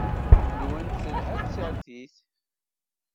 Nwant telha tsertit.